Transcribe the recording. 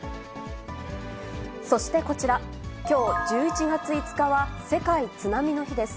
そしてこちら、きょう１１月５日は世界津波の日です。